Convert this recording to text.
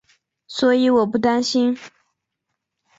所以我不担心